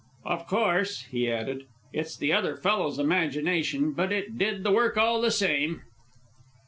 "Of course," he added, "it's the other fellow's imagination, but it did the work all the same."